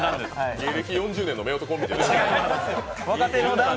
芸歴４０年の夫婦コンビか。